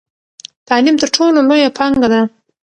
تعلیم تر ټولو لویه پانګه ده.